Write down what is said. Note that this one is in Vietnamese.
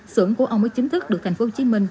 sưởng của ông mới chính thức được tp hcm